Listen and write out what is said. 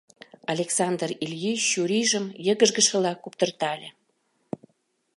Александр Ильич чурийжым йыгыжгышыла куптыртале.